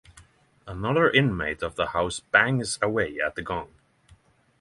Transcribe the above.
Another inmate of the house bangs away at a gong.